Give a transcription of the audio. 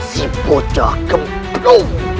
si bocah kembro